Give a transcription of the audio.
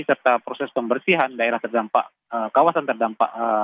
serta proses pembersihan daerah terdampak kawasan terdampak